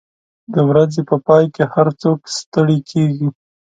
د ورځې په پای کې هر څوک ستړي کېږي.